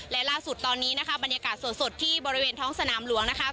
และล่าสุดตอนนี้นะคะบรรยากาศสดที่บริเวณท้องสนามหลวงนะคะ